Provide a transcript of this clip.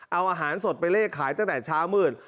เอาอาหารสดไปเลขขายตั้งแต่เช้ามืด